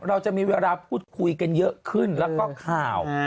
เราจะมีเวลาพูดคุยกันเยอะขึ้นแล้วก็ข่าว